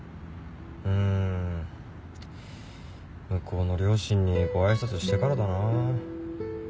うん向こうの両親にご挨拶してからだな。